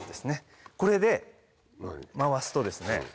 これで回すとですね